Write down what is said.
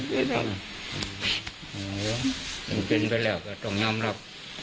มันเป็นไปแล้วก็ต้องยอมรับ